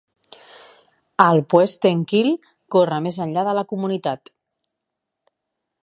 El Poesten Kill corre més enllà de la comunitat.